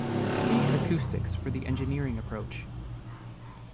See acoustics for the engineering approach.